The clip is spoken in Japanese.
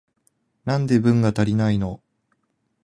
なんで文が足りないの？